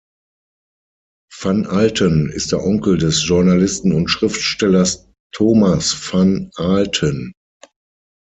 Van Alten ist der Onkel des Journalisten und Schriftstellers Thomas van Aalten.